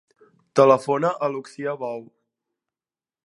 Telefona a l'Uxia Bou.